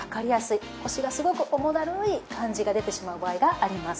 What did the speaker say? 腰がすごく重だるい感じが出てしまう場合があります。